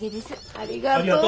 ありがとう。